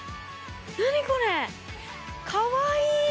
何これかわいい！